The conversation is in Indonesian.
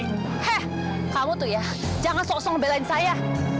heh kamu tuh ya jangan sok sok ngebelain saya